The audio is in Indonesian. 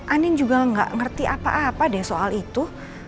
anin juga nggak ngerti apa apa deh soal itu